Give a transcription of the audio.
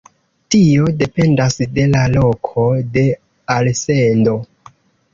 Tio dependas de la loko de alsendo.